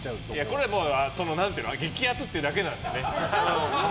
これは激アツっていうだけなので。